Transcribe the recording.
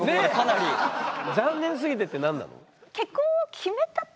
「残念すぎて」って何なの？